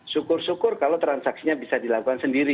syukur syukur kalau transaksinya bisa dilakukan sendiri